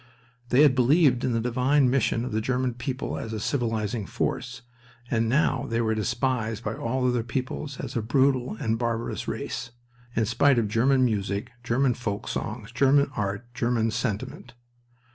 They had believed in the divine mission of the German people as a civilizing force, and now they were despised by all other peoples as a brutal and barbarous race, in spite of German music, German folk songs, German art, German sentiment.